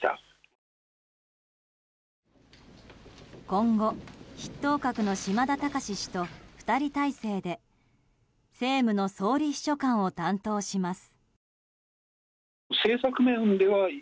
今後、筆頭格の嶋田隆氏と２人体制で政務の総理秘書官を担当します。